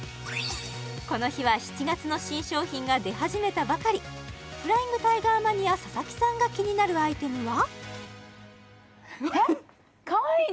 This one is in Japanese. この日は７月の新商品が出始めたばかりフライングタイガーマニア佐々木さんが気になるアイテムは？えっかわいい！